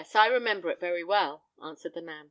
I remember it very well," answered the man.